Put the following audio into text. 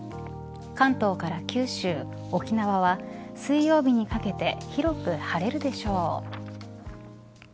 関東から九州沖縄は水曜日にかけて広く晴れるでしょう。